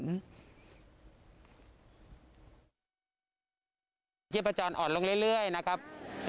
ที่ผจญออดลงเรื่อยนะครับ